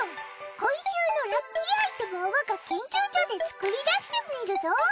今週のラッキーアイテムを我が研究所で作り出してみるぞ。